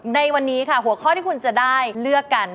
ในวันนี้ค่ะหัวข้อที่คุณจะได้เลือกกัน